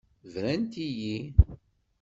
Brant-iyi.